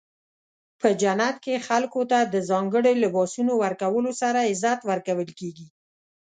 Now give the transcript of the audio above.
په جنت کې خلکو ته د ځانګړو لباسونو ورکولو سره عزت ورکول کیږي.